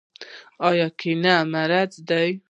آیا کینه مرض دی؟